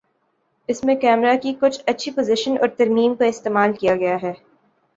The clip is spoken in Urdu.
اس میں کیمرہ کی کچھ اچھی پوزیشن اور ترمیم کا استعمال کیا گیا ہے